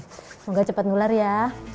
semoga cepat nular ya